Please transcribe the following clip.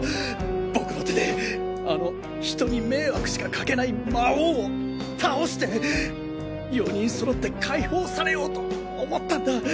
僕の手であの人に迷惑しかかけない魔王を倒して４人揃って解放されようと思ったんだ